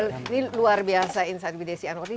ini luar biasa insight bdsi anwar